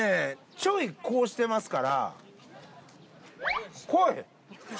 ちょいこうしてますから。